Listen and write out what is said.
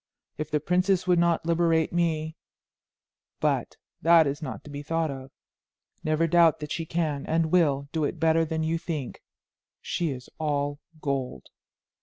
If the princess would not liberate me ... but that is not to be thought of. Never doubt that she can and will do it better than you think. She is all gold."